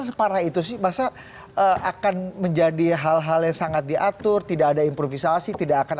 separah itu sih masa akan menjadi hal hal yang sangat diatur tidak ada improvisasi tidak akan